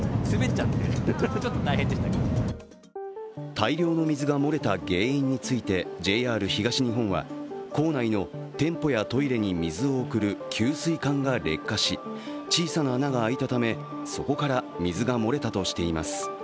大量の水が漏れた原因についてＪＲ東日本は構内の店舗やトイレに水を送る給水管が劣化し小さな穴が開いたため、そこから水が漏れたとしています。